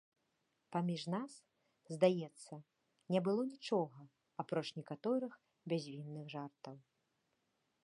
Паміж нас, здаецца, не было нічога, апроч некаторых бязвінных жартаў.